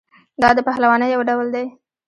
دا د پهلوانۍ یو ډول دی.